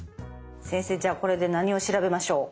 先生じゃあこれで何を調べましょう？